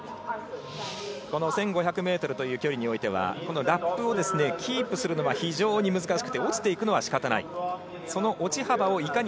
この１５００ｍという距離においてはラップをキープするのが非常に難しく落ちていくのは仕方ない。